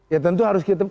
ya tentu harus diketahui